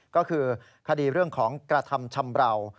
ก็คือคดีเรื่องของกระทำชำราว